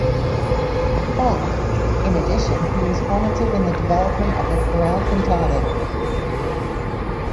Bach; in addition he was formative in the development of the chorale cantata.